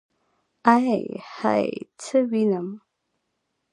ائ هئ څه وينم.